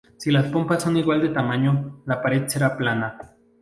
Si las pompas son de igual tamaño, la pared será plana.